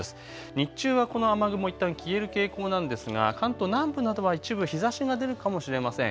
日中はこの雨雲いったん消える傾向なんですが関東南部などは一部日ざしが出るかもしれません。